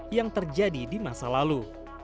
yang terjadi di masa lalu